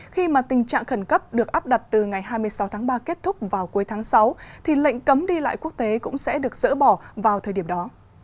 khi mà tình trạng khẩn cấp được áp đặt từ ngày hai mươi sáu tháng ba kết thúc vào cuối tháng sáu thì lệnh cấm đi lại quốc tế cũng sẽ được dỡ bỏ vào thời điểm đó